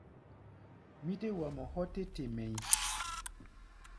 Mí tɛ́ wa mɔ hɔ́ tɛ́ te mɛʼí̧.